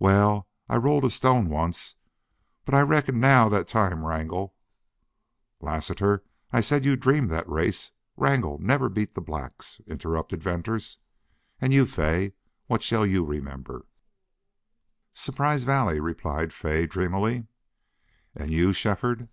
"Wal, I rolled a stone once, but I reckon now thet time Wrangle " "Lassiter, I said you dreamed that race. Wrangle never beat the blacks," interrupted Venters.... "And you, Fay, what shall you remember?" "Surprise Valley," replied Fay, dreamily. "And you Shefford?"